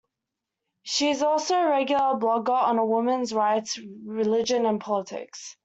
She is also a regular blogger on women's rights, religion and politics.